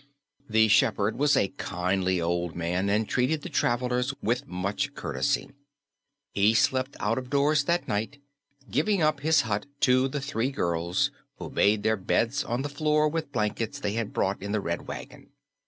The shepherd was a kindly old man and treated the travelers with much courtesy. He slept out of doors that night, giving up his hut to the three girls, who made their beds on the floor with the blankets they had brought in the Red Wagon.